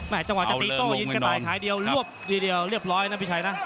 ไม่จังหวะจะตีโต้ยินกระดายขายเดียวรวบเรียบร้อยนะพี่ชัยน่ะ